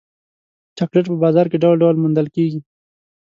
چاکلېټ په بازار کې ډول ډول موندل کېږي.